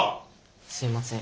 すいません。